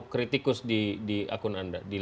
kritikus di akun anda